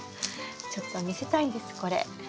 ちょっと見せたいんですこれ。